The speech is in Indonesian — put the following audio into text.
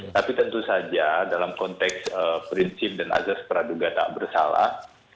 tapi tentu saja dalam konteks prinsip dan azas praduga tak bersalah